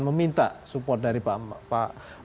meminta support dari pak